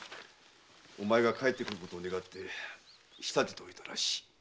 お前が帰ってくることを願って仕立てていたらしい。